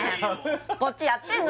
こっちやってんの！